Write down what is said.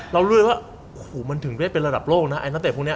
เรารู้เลยว่าโอ้โหมันถึงได้เป็นระดับโลกนะตั้งแต่พรุ่งเนี้ย